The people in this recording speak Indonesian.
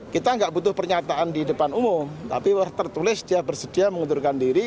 kita nggak butuh pernyataan di depan umum tapi tertulis dia bersedia mengundurkan diri